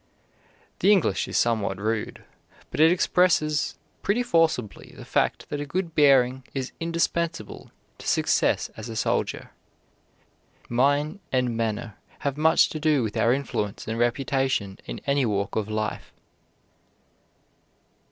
The English is somewhat rude, but it expresses pretty forcibly the fact that a good bearing is indispensable to success as a soldier. Mien and manner have much to do with our influence and reputation in any walk of life.